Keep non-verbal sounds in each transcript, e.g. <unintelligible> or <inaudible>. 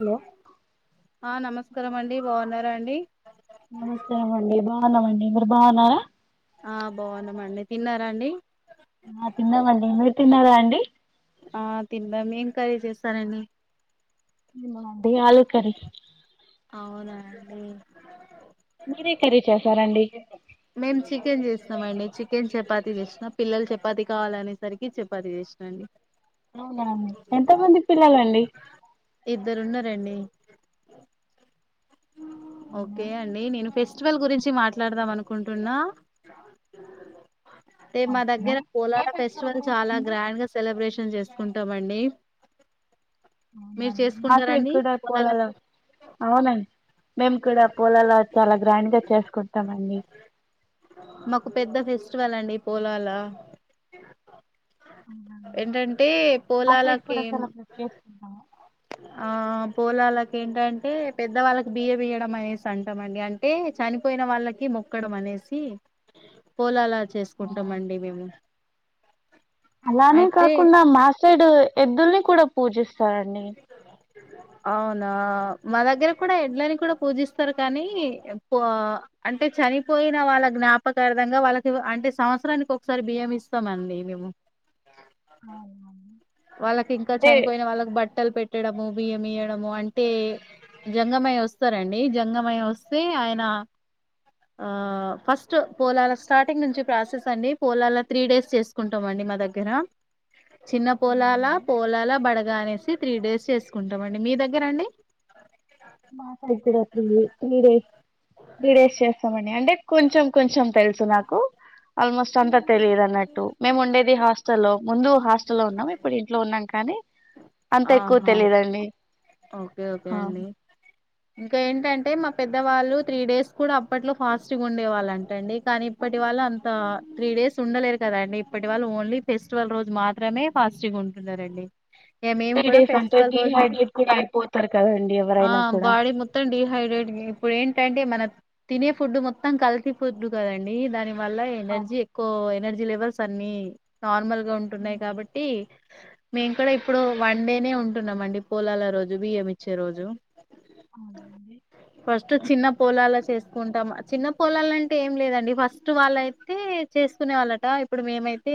Hello ఆ నమస్ నమస్కారం అండి బాగున్నారా అండి నమస్కారం అండి బాగున్నాంమండి మీరు బాగున్నారా ఆ బాగున్న మండి తిన్నారా అండి ఆ తిన్నామండి మీరు తిన్నారా అండి ఆ తిందాం ఏం కర్రి చేస్తారండి మెమా అండి ఆలూ కర్రీ అవునా అండి మీరే కర్రీ చేసారండి మేం చికెన్ చేస్తాం అండి చికెన్ చపాతి చేసిన పిల్లలు చపాతి కావాలనేసరికి చెపాతి చేసినండి అవునాండి ఎంతమంది పిల్లలండి ఇద్దరు ఉన్న రండి ఓకే అండి నేను ఫేస్ ఫెస్టివల్ గురించి మాట్లాడుదామను కుంటున్నా రేపు మా దగ్గర పోలాల ఫెస్టివల్ చాలా గ్రాండ్ గా సెలబ్రేషన్ చేస్ కుంటామండి అవునండి మా సైడ్ కూడా పోలాల అవునండి మేము కూడా పోలాల చాలా గ్రాండ్ గా చేసుకుంటాం అండి మాకు పెద్ద ఫెస్టివల్ అండి పోలాల ఏంటంటే పోలాలకేం <unintelligible> ఆ పోలాలకు ఏంటంటే పెద్ద వాళ్ళక్ బియ్యం ఇయ్యడం అనేసి అంటాం అండి అంటే చనిపోయిన వాళ్ళకి మొక్కడం అనేసి పోలాల చేస్కుంటమండి మేము అలానే అయితే కాకుండా మా సైడ్ ఎద్దుల్ని కూడా పూజిస్తారండి. అవునా మా దగ్గర కూడ ఎడ్లని కూడా పూజిస్తారు కానీ పో అంటే చనిపోయిన వాళ్ళ జ్ఞాపకార్ధంగా వాళ్ళకి అంటే సంవత్సరానికి ఒకసారి బియ్యం ఇస్తామండి మేము. వాళ్ళక్ ఇంకా అంటే చనిపోయిన వాళ్ళక్ బట్ లు పెట్టడమో బియ్యం ఇయ్యడమో అంటే జంగమయ్య వస్తారండి జంగమయ్య వస్తే ఆయన ఫస్ట్ పోలాల స్టార్టింగ్ నుంచి ప్రాసెస్ అండి పోలాల త్రీ డేస్ చేస్కుంటాం అండి మా దగ్గర చిన్న పోలాల పోలాల బడగ అనేస్ త్రీ డేస్ చేస్కుంటమండి మీ దగ్గర అండి. మా సైడ్గుడా త్రీ డెస్ త్రీ డేస్ చేస్తామండి అంటే కొంచెం కొంచెం తెల్సు నాకు ఆల్మోస్ట్ అంతా తెలీదన్నట్టు మేం ఉండేది హాస్ లో ముందు హాస్టల్లో ఉన్నాం ఇప్పుడు ఇంట్లో ఉన్నాం కానీ అంత ఎక్కువ ఆహా తెలీదండి. ఓకే ఓకే అండి ఇంకా ఏంటంటే మా పెద్దవాళ్ళు త్రీ డేస్ కూడా అప్పట్లో ఫాస్టింగుండే వాళ్ళంట అండి కానీ ఇప్పటి వాళ్ళు అఅంతా త్రీ డేస్ ఉండలేరు కదండి ఇప్పటి వాళ్ళు ఓన్లీ ఫెస్టివల్ రోజు మాత్రమే ఫాస్టింగ్ ఉంటున్నరండి. త్రీ డేస్ అంటే డీహైడ్రేట్ కూడా అయిపోతరు కదండి. ఆ ఎవరైనా కూడా బాడి మొత్తం డీహైడ్రేట్ ఇప్పుడ్ ఏటం అంటే మన తినే ఫుడ్ మొత్తం కల్తీ ఫుడ్డు కదండి దాని వల్ల ఎనర్జీ ఎక్కో ఎనర్ ది లెవెల్స్ అన్ని నార్మల్ గా ఉంటున్నయి కాబట్టి మేం కూడా ఇప్పుడు వన్ డేనే ఉంటున్నాం అండి పోలాల రోజు బియ్యం ఇచ్ ఇచ్చే రోజూ అవ్నండి. ఫస్ట్ చిన్న పోలాలు చేస్కుంటాం. చిన్న పోలాల అంటే ఏం లేదండి ఫస్ట్ వాళ్ళయితే చేస్కునే వాళ్ళట ఇప్పుడు మేమైతే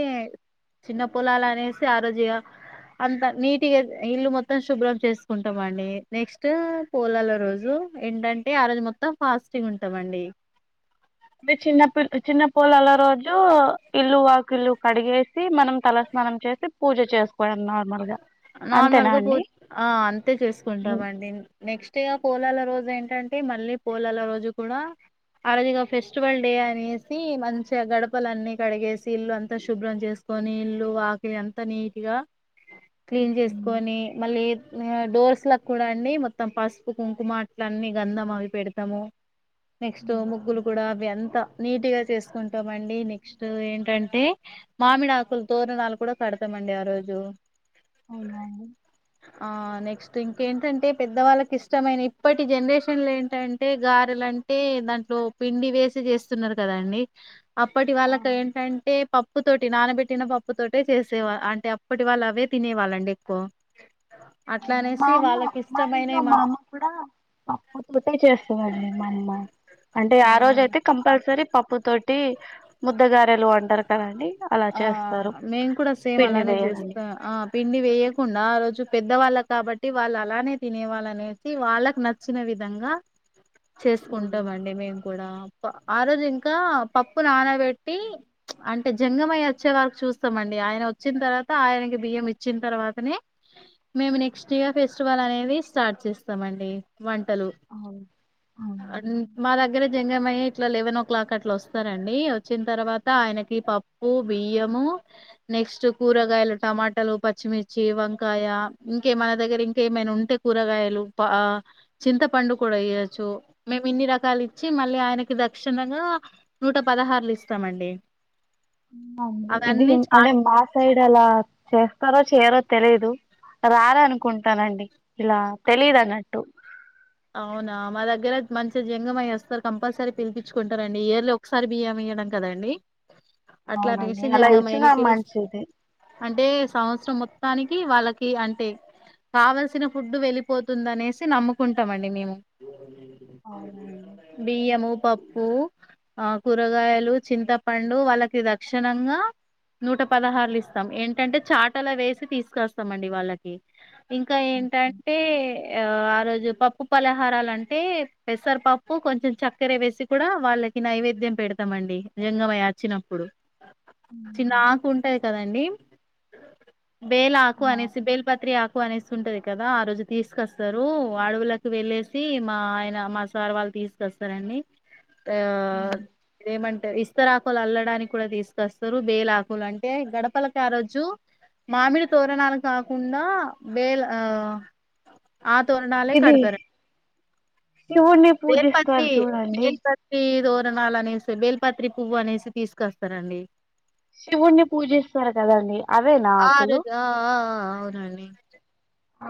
చిన్న పోలాలు అనేసి ఆ రోజు ఇగ అంత నీటిగా ఇల్లు మొత్తం శుభ్రం చేస్కుంటమండి. నెక్స్ట్ పోలాల రోజు ఏంటంటే ఆ రోజు మొత్తం ఫాస్టింగ్ ఉంటమండి. మీ చిన్న చిన్న పోలాల రోజు ఇల్లు వాకిల్లు కడిగేసి మనం తలస్నానం చేసి పూజ చేస్ నార్మల్గా పో ఆ అంతే చూస్కుంటామండి నెక్స్ట్ ఇగ పోలాల రోజు ఏంటంటే మళ్ళీ పోలాల రోజు కూడా ఆ రోజు ఇగ ఫెస్టివల్ డే అనేసి మంచిగా గడపలన్నీ కడిగేసి ఇల్లు అంతా శుభ్రం చేస్కొని ఇల్లు ఆకిలి అంత నీట్గా క్లీన్ చేస్కొని మళ్ళీ ఏ డోర్స్లక్ కూడా అండి మొత్తం పసుపు కుంకుమ అట్ల అన్ని గంధం అవి పెడ్తము. నెక్స్ట్ ముగ్గులు కూడా అవి అంత నీట్గా చేసుకుంటామండి నెక్స్ట్ ఏంటంటే మామిడి ఆకులు తోరణాలు కూడా కడతామండి ఆ రో జు అవున ఆ నెక్స్ట్ ఇంకేంటంటే పెద్దవాళ్ళకి ఇష్టమైన ఇప్పటి జనరేషన్లు ఏంటంటే గారెలంటే దాంట్లో పిండి వేసి చేస్తున్నారు కదాండి అప్పటి వాళ్ళకి ఏంటంటే పప్పు తోటి నానబెట్టిన పప్పుతోటే చేసేవా అంటే అప్ అప్పటి వాళ్ళు అవే తినేవాళ్ళం డి ఎక్కువ. అట్లా మా అనేసి అమ్మ, వాళ్ళకి మా ఇంట్లో ఇష్టమైనవి మా అమ్మ కూడా పప్పు తోటి చేస్తాదాండి. మా అమ్మ అంటే ఆ రోజ అయితే కంపల్సరీ పప్పు పప్పు తోటి ముద్దగారెలు అంటారు కదండి అలా ఆ చేస్తారు మేం కూడా సేమ్ పిండి అలానే వేయదండి చేస్తా. ఆ పిండి వేయకుండా ఆ రోజు పెద్ద వాళ్ళకి కాబట్టి వాళ్ళు అలానే తినే వాళ్ళు అనేసి, వాళ్ళకి నచ్చిన విధంగా చేసుకుంటామండి మేము. ఆ రోజు ఇంకా పప్పు నానబెట్టి అంటే జంగం బాపనయ్య వచ్చే వరకు చూస్తామండి. ఆయన వచ్చిన తర్వాత ఆయనకి బియ్యం ఇచ్చిన తర్వాతనే మేము నెక్స్ట్ ఇయర్ ఫెస్టివల్ అనేది స్టార్ట్ చేస్తామండి. వంటలు అ మా దగ్గర జంగమయ్య ఇట్లా లెవెన్ ఓ క్లాక్ అట్లా వస్తారండి వచ్చిన తర్వాత ఆయనకి పా బియ్యము నెక్స్ట్ కూరగాయలు టమాటాలు పచ్చిమిర్చి వంకాయ ఇంకే మన దగ్గర ఇంక ఏమైనా ఉంటే కూరగాయలు ప చింతపండు కూడా ఏయొచ్చు మేము ఇన్ని రకాలు ఇచ్చి మళ్ళీ ఆయనకి దక్షణగా నూట పదహారులు ఇస్తామండి ఏమో అండి ఇది అవన్నీ అంటే చాట్ మా సైడ్ అలా చేస్తారో చేయరో తెలీదు రారనుకుంటానండి ఇలా తెలీదున్నట్టు అవునా మా దగ్గర మంచిగా జ్యంగం అయ్యేస్తారు కంపల్సరీ పిలిపించుకుంటారు అండి ఇయర్లీ ఒకసారి బియ్యం ఇయ్యడం కదండి అట్లాంటి అవునండి అలా రిశీజంగా ఇచ్చినా మని పిలుస్ మంచిది అంటే సంవత్సరం మొత్తానికి వాళ్ళకి అంటే కావలసిన ఫుడ్ వెళ్ళిపోతుందనేసి నమ్ముకుం టమండి మేము బియ్యమూ ప ప్పు ఆ కూరగాయలు చింతపండు వాళ్ళకి రక్షణంగా నూట పదహారులు ఇస్తాం ఏంటంటే చాటల వేసి తీసుకొస్తాం అండి వాళ్ళకి ఇంకా ఏంటంటే ఆ ఆ రోజు పప్ ప్పు పలహారాలు అంటే పెసరపప్పు కొంచెం చక్కెర వేసి కూడా వాళ్ళకి నైవేద్యం పెడతామండి జంగమయ్య వచ్చినప్పుడు చిన్న ఆకు ఉంటాది కదండి బేల్ ఆకు అనేసి బేల్పత్రి ఆకు అనేస్ ంటది కదా ఆ రోజు తీసుకొస్తారు ఆడవుల వెళ్ళేసి మా ఆయన మా సార్ వాళ్ళు తీసుకొస్తారండి అ ఇదే మంటర్ ఇస్ ఇస్తారాకులు అల్లడానికి కూడా తీసుకొస్తారు బేలాకులు అంటే గడపలకి ఆ రోజు మామిడి తోరణాలు కాకుండా బేల ఆ ఆ తోరనాలె కడుతార శవున్ని పూజిస్తారు చూడండి ణాలు అనేసి బేల్పత్రి పువ్వనేసి తీసుకొస్తారండి శివుణ్ణి పూజిస్తారు కదండి అవేనా ఆ ఆకులు రోజ్ ఆ ఆ ఆ అవునండి ఆ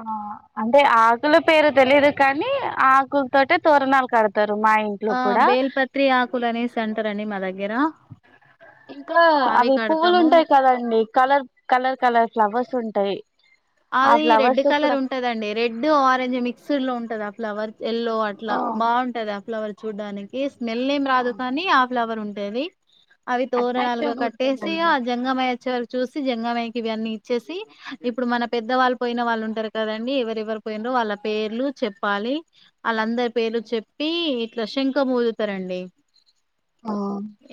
అంటే ఆకుల పేరు తెలిదు కానీ ఆకులతోటే తోరణాలు కడతారు మా ఇంట్లో ఆ కూడా బేల్పత్రి ఆకులనేసన్ రండి మా దగ్గర ఇంకా అవి పువ్వులు ఉంటాయి కదండి కలర్ కలర్ కలర్ ఫ్లవర్స్ ఉంటాయి ఆ అది రెడ్ ఫ్లవర్స్ కలర్ కూడా ఉంటదండి రెడ్ ఆరెంజ్ మిక్స్ర్ లో ఉం ఆ ఫ్ల వర్ ఎల్లో అట్లా ఆ బాగుంటది ఆ ఫ్లవర్ చూడ్డానికి స్మెల్ ఏం రాదు కానీ ఫ్లవర్ ఉంటది. అవి తోరనాలుగా అట్రాక్టివ్ గా కట్టేసి ఆ ఉంటుందండి జంగమయ్య వచ్చే వరకు చూసి జంగమయ్య ఇవన్నీ ఇచ్చేసి ఇప్పుడు మన పెద్ద వాళ్ళు పోయిన వాళ్ళు ఉంటరు కదండి. ఎవర ఎవరు పోయిన్రో వాళ్ళ పేర్లు చెప్పాలి. ఆళ్ళందరి పేర్లు చెప్పి ఇట్లా శంఖమూదుతరండి.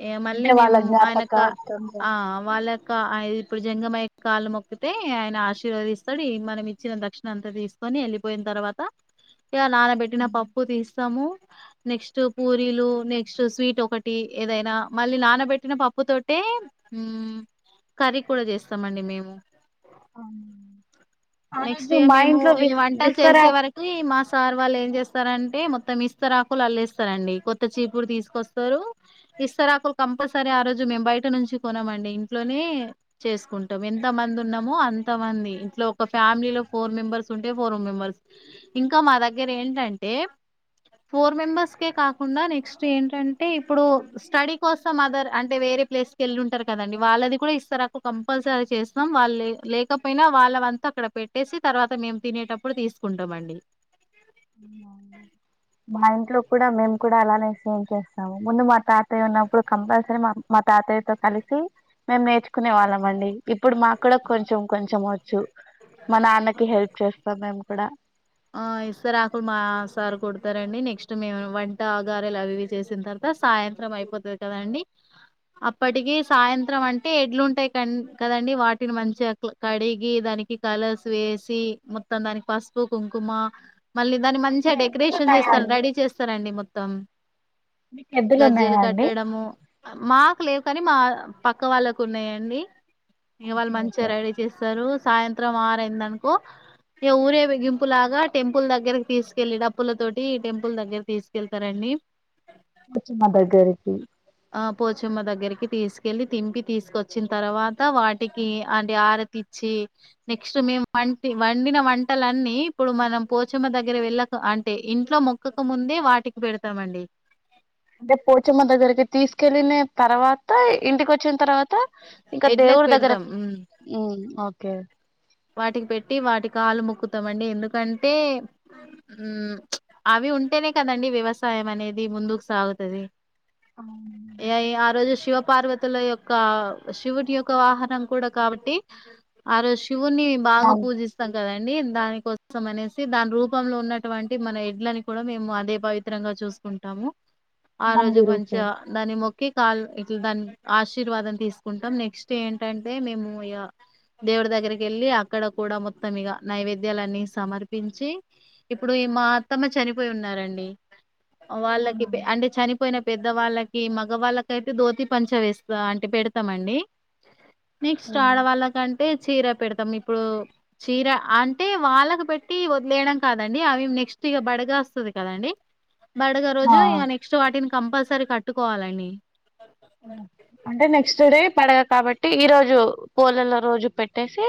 ఏ గా మళ్ళీ మేము ఆయన కా ఆ వాళ్ళ కా ఆ ఇప్పుడు జంగమయ్య కాళ్ళు మొక్కితే ఆయన ఆశి ర్వదీస్తడు. ఈ మనం ఇచ్చిన దక్షిణ అంతా తీసుకొని వెళ్ళిపోయిన తర్వాత ఇగ నానబెట్టిన పప్పు తీసి స్తము, నెక్స్ట్ పూరీలు, నెక్స్ట్ స్వీట్ ఒకటి ఏదైనా. మళ్ళీ నానబెట్టిన పప్పు తోటే కర్రీ కూడా చేస్తం అండి మేము. అవును నెక్స్ట్ ఇగ మేము ఈ వంటలు విస్తరా చేసే వరకి మా సార్ వాళ్ళు ఏం చేస్ స్తరంటే మొత్తం ఇస్తరాకులు అల్లేస్తరండి. కొత్త చీపురు తీసుకొస్తరు, ఇస్తరాకులు కంపల్సరీ ఆ రోజు మేము బయట నుంచి కొనమండి ఇంట్లోనే చేసుకుంటాం. ఎంత మంది ఉన్నామో అంత మంది ఇంట్లో ఒక ఫ్యామిలీలో ఫోర్ మెంబెర్స్ ఉంటే ఫోర్ మెంబెర్స్. ఇంకా మా దగ్గర ఏంటంటే ఫోర్ మెంబెర్స్కే కాకుండా నెక్స్ట్ ఏంటంటే ఇప్పుడు స్టడీ కోసం అదర్ అంటే వేరే ప్లేస్కి వెళ్ళి ఉంటరు కదండి వాళ్ళది కూడా ఇస్తారాకు కంపల్సరీ అది చేస్తాం. వాళ్ళు లే లేకపోయినా వాళ్ళ వం అక్కడ పెట్టేసి తర్వాత మేము తినేటప్పుడు తీసుకుంటమండి. మా ఇంట్లో కూడా మేము కూడా అలానే సేమ్ చేస్తాము. ముందు మా తాతయ్య ఉన్నప్పుడు కంపల్సరీ మా మా తాతయ్యతో కలిసి మేము నేర్చుకునే వాళ్ళం అండి. ఇప్పుడు మాకు కూడా కొంచెం కొంచెం వచ్చు మా నాన్నకి హెల్ప్ చేస్తాం మేము కూడా. ఆ ఇస్తరాకులు మా సారు కుడతరండి. నెక్స్ట్ మేము వంటా ఆ గారెలు అవి ఇవి చేసిన తర్వాత సాయంత్రం అయిపోతది కదండి. అప్పటికి సాయంత్రం అంటే ఎడ్లు ఉంటయి క కదండి వాటిని మంచిగా అ కడిగి, దానికి కలర్స్ వేసి మొత్తం దానికి పసుపు కుంకుమ మళ్ళీ దాన్ని మీకు మంచిగా ఎద్దులు డెకరేషన్ ఉన్నాయా చేస్తారు అండి రెడీ చేస్తారండి మొ తమ్ మీకు ఎద్దులు ఉన్నాయా గజ్జలు అండి కట్టడము మా లేవు కానీ మా పక్క వాళ్ళకు ఉన్నయండి. ఇగ వాళ్ళు మంచిగా రైడీ చేస్తరు. సాయంత్రం ఆరైందనుకో ఇ ఊరేగిం పు లాగా టెంపుల్ దగ్గరకి తీసుకెళ్ళి డప్పుల తోటి టెంపుల్ దగ్గర తీసుకెళ్తరండి. పొచమ్మ దగ్గరికి. ఆ పోచమ్మ దగ్గరికి తీసుకెళ్ళి తింపి తీసుకొచ్చిన తర్వాత వాటికి అంటే ఆరతిచ్చి నెక్స్ట్ మేము వంటి వండిన వంటలన్నీ ఇప్పుడు మనం పోచమ్మ దగ్గర వెళ్ళక అంటే ఇంట్లో మొక్కక ముందే వాటికి పెడతామండి. అంటే పోచమ్మ దగ్గరికి తీసుకెళ్ళిన తర్వాత ఇంటికి వచ్చిన తర్వా త ఇంకా ఎడ్లకి దేవుడి దగ్గరా పెడదాం ఉమ్ హ్ ఓకే. వాటికి పెట్టి వాటి కాల్లు మొక్కుతమండి. ఎందుకంటే ఉ అవి ఉంటనే కదండి వ్యవసాయం అనేది ముందుకు సాగుతది. అవును శివ పార్వతుల యొక్క శివుడి యొక్క వాహనం కూడా కాబట్టి ఆ రోజు శివున్ని బాగా నం- పూజిస్తాం కదం దానికోసం అనేసి దాని రూపంలో ఉన్నటువంటి మన ఎడ్లని కూడా మేము అదే పవిత్రంగా చూసుకుంటాము ఆ రోజు నంది మంచిగ రూపం దాని మొక్క కాల్ ఇట్లా దాని ఆశీర్వాదం తీసుకుంటాం నెక్స్ట్ ఏంటంటే మేము ఇగ దేవుడి దగ్గరికి కెళ్ళి అక్కడ కూడా మొత్తం ఇక నైవేద్యాలన్నీ సమర్పించి ఇప్పుడు ఈ మా అత్తమ్మ చనిపోయి ఉన్నారండి వాళ్ళకి అంటే చనిపోయిన పెద్దవాళ్ళకి మగవాళ్ళకి అయితే దోతి పంచ వేస్తా అంటే పెడతామండి నెక్స్ట్ ఉమ్. ఆడవాళ్ళకంటే చీర పెడుత మొత్తం ఇప్పుడు చీర అంటే వాళ్ళకు పెట్టి వదిలేయడం కాదండి అవి నెక్స్ట్ ఇక బడగా వస్తుంది కదండి బడగ ఆ రోజు ఇగ నెక్స్ట్ వాటిని కంపల్సరీ కట్టుకోవాలండి అంటే నెక్స్ట్ డే బడగ కాబట్టి ఈ రోజు పోలలో రోజు పెట్టేసి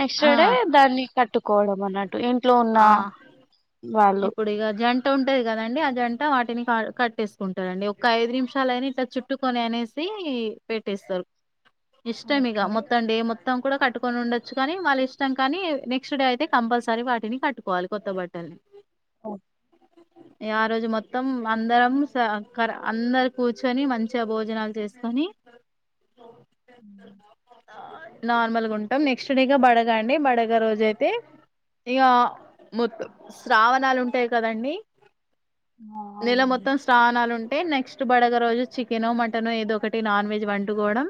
నెక్స్ట్ ఆ డే దాన్ని కట్టుకోవడం అన్నట్టు ఇంట్లో ఉన్న ఆ వాళ్ళు ఇప్పుడు ఇక జంట ఉంటది కదండి ఆ జంట వాటిని కట్టేసుకుంటరండి ఒక ఐదు నిమిషాలయినా ఇట్లా చుట్టుకొని అనేసి పెట్టేస్తారు ఇష్టం ఇగ మొత్తం డే మొత్ మొత్తం కూడా కట్టుకొని ఉండచ్చు కానీ వాళ్ళ ఇష్టం కానీ నెక్స్ట్ డే అయితే కంపల్సరీ వాటిని కట్టుకోవాలి కొత్త బట్టల్ని ఓ ఆ రోజు మొత్తం అందరం కర అందరు కూర్చొని మంచిగ భోజనాలు చేసుకొని ఉ నార్మల్గా ఉంటాం నెక్ నెక్స్ట్ డే ఇగ బడగండి బడగ రోజయితే ఇక మొత్తం శ్రావణాలు ఉంటాయి కదండి నెల మొత్తం శ్రావణాలు ఉంటా టె నెక్స్ట్ బడగ రోజు చికెను మటన్ ఏదో ఒకటి నాన్ వెజ్ వండుకోవడం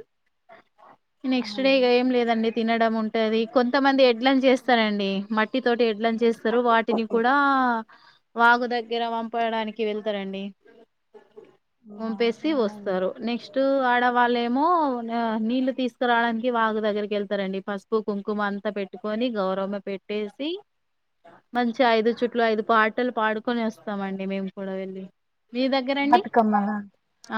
నెక్స్ట్ డే ఇక ఏం లేదండి తినడం ఉంటది కొంతమంది ఎడ్లను చేస్తరండి మట్ ట్టి తోటి ఎడ్లను చేస్తరు వాటిని కూడా వాగు దగ్గర పంపడానికి వెళ్తరండి పంపేసి వస్తారు నెక్స్ట్ ఆ వాళ్ళేమో నీళ్లు తీసుకురావడానికి వాగు దగ్గరికి వెళ్తరండి ఫస్ట్ పసుపు కుంకుమ అంత పెట్టుకొని గౌరమ్మ పెట్టేసి మంచిగ ఐదు చుట్లు ఐదు పాటలు పాడుకొని వస్తమండి మేము కూడా వెళ్ళి మీ దగ్గర అండి బతుకమ్మనా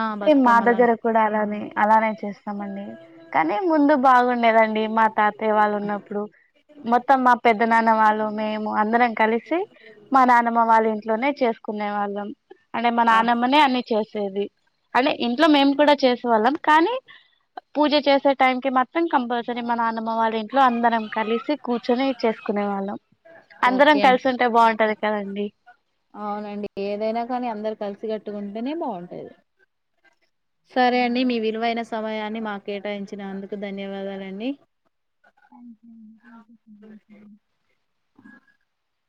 ఆ మా బతుకమ్మలా దగ్గర కూడా అలానే అలానే చేస్తామండి కానీ ముందు బాగుండేదండి మా తాత వాళ్ళు ఉన్నప్పుడు మొత్తం మా పెద్ద నాన్న వాళ్ళు మేము అందరం కలిసి మా నానమ్మ వాళ్ళ ఇంట్లోనే చేసుకున్న నేవాళ్ళం మా ఆ, నానమ్మనే అన్ని చేసేది అంటే ఇంట్లో మేము కూడా చే వాళ్ళం కానీ పూజ చేసే టైం మాత్రం కప్ సరి మా నాన్నమ్మ వాళ్ళ ఇంట్లో అందరం కలిసి కూర్చొని చేసుకునే వాళ్ళం అందరం ఓకే కలిసుంటే బాగుంటది కదండీ అవునండి ఏదైనా కానీ అందరు కలిసి కట్టుగుంటేనే బాగుంటాది సరే అండి మీ విలువైన స సమయాన్ని మాకు కేటాయించినందుకు ధన్యవాదాలండి